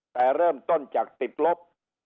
แต่เริ่มต้นจากติดลบ